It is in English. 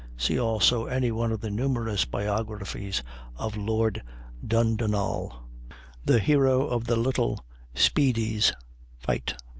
See also any one of the numerous biographies of Lord Dundonald, the hero of the little Speedy's fight.